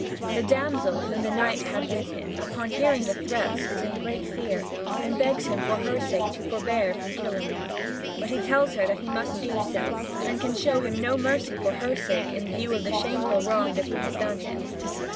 The damsel, whom the knight had with him, upon hearing the threats, is in great fear, and begs him for her sake to forbear from killing him; but he tells her that he must do so, and can show him no mercy for her sake, in view of the shameful wrong that he has done him.